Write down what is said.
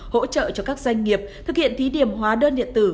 hỗ trợ cho các doanh nghiệp thực hiện thí điểm hóa đơn điện tử